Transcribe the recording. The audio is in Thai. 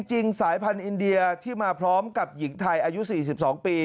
สายพันธุ์อินเดียที่มาพร้อมกับหญิงไทยอายุ๔๒ปี